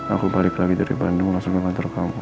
aku balik lagi dari bandung langsung ke kantor kamu